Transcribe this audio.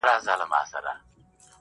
ته نو اوس راسه، له دوو زړونو تار باسه~